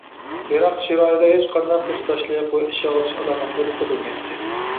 بىراق چىرايىدا ھېچقانداق ھېسداشلىق ۋە ئىچ ئاغرىتىش ئالامەتلىرى كۆرۈلمەيتتى.